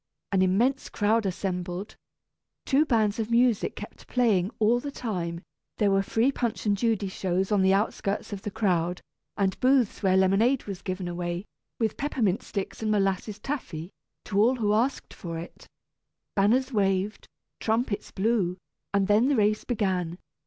An immense crowd assembled. Two bands of music kept playing all the time; there were free Punch and Judy shows on the outskirts of the crowd, and booths where lemonade was given away, with peppermint sticks and molasses taffy, to all who asked for it. Banners waved, trumpets blew, and then the race began.